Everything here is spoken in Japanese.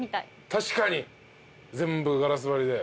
確かに全部ガラス張りで。